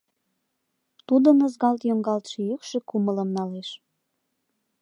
Тудын ызгалт йоҥгалтше йӱкшӧ кумылым налеш.